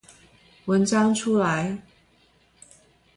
文章出來